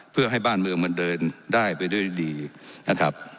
เพื่อให้บ้านเมืองมันเดินได้ไปด้วยดีนะครับ